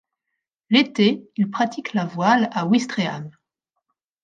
L'été, il pratique la voile à Ouistreham.